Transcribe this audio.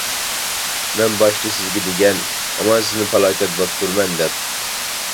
مەن باشتا سىزگە دېگەن، ھامان سىزنى پالاكەت باستۇرىمەن دەپ.